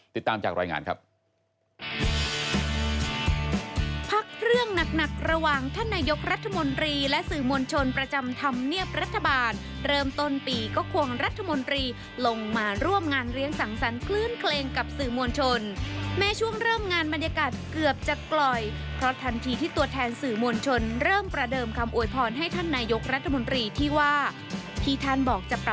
ติดตามจากรายงานครับ